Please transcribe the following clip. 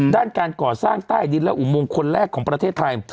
ด้านการก่อสร้างใต้ดินและอุมงคลแรกของประเทศไทย